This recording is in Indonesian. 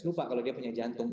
lupa kalau dia punya jantung